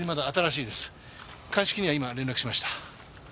鑑識には今連絡しました。